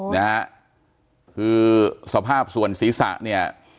นะฮะคือสภาพส่วนศีรษะเนี่ย